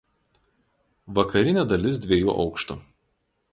Vakarinė dalis dviejų aukštų.